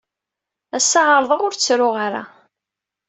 Ass-a, ɛerḍeɣ ur ttruɣ ara.